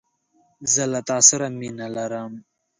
زه له تاسره مینه لرم